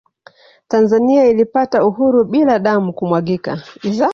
Tanzania ilipata uhuru bila damu kumwagika